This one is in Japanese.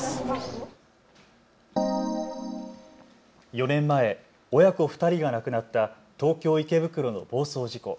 ４年前、親子２人が亡くなった東京池袋の暴走事故。